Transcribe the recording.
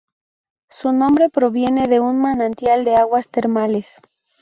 Su nombre proviene de un manantial de aguas termales.